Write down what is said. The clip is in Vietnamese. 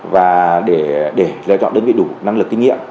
và để lựa chọn đơn vị đủ năng lực kinh nghiệm